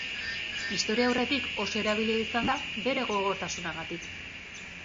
Historiaurretik oso erabilia izan da bere gogortasunagatik.